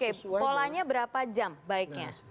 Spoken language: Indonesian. polanya berapa jam baiknya